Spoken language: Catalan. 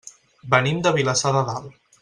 Venim de Vilassar de Dalt.